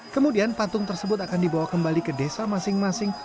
kemudian patung tersebut akan dibawa kembali ke desa masing masing